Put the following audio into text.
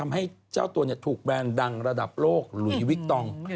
ให้เจ้าตัวถูกแบรนด์ดังระดับโลกหลุยวิกตอง